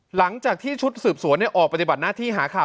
หลังจากที่ชุดสืบสวนออกปฏิบัติหน้าที่หาข่าว